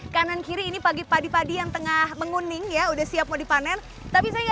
kanan kiri ini pagi padi padi yang tengah menguning ya udah siap mau dipanen tapi saya